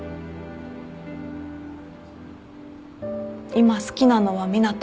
今好きなのは湊斗。